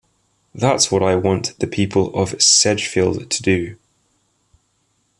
That's what I want the people of Sedgefield to do.